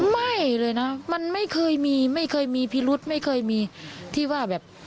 ไม่เลยนะมันไม่เคยมีไม่เคยมีพิรุธไม่เคยมีที่ว่าแบบ